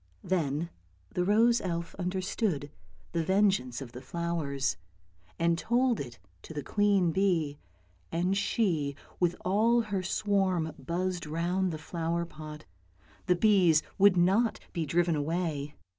" Then the rose elf understood the vengeance of the flowers, and told it to the queen bee, and she with all her swarm buzzed round the flower pot; the bees would not be driven away.